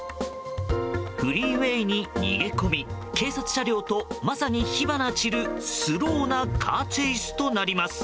フリーウェイに逃げ込み警察車両とまさに火花散るスローなカーチェイスとなります。